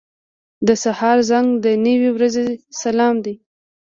• د سهار زنګ د نوې ورځې سلام دی.